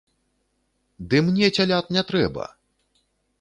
Ды мне цялят не трэба!